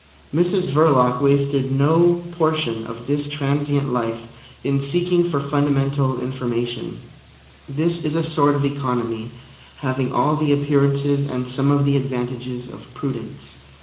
Mrs Verloc wasted no portion of this transient life in seeking for fundamental information. This is a sort of economy having all the appearances and some of the advantages of prudence.